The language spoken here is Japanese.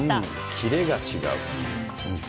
キレが違う。